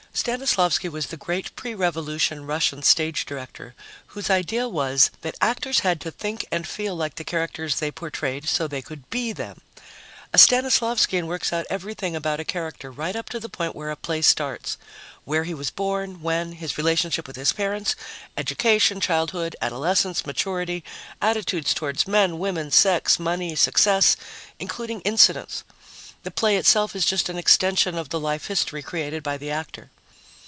Stanislavsky was the great pre Revolution Russian stage director whose idea was that actors had to think and feel like the characters they portrayed so they could be them. A Stanislavskian works out everything about a character right up to the point where a play starts where he was born, when, his relationship with his parents, education, childhood, adolescence, maturity, attitudes toward men, women, sex, money, success, including incidents. The play itself is just an extension of the life history created by the actor.